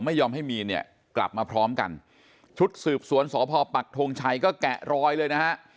ไม่ยอมให้มีนเนี่ยกลับมาพร้อมกันชุดสืบสวนสพปักทงชัยก็แกะรอยเลยนะฮะ